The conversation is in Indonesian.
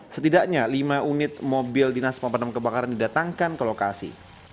setidaknya lima unit mobil dinas pemadam kebakaran didatangkan ke lokasi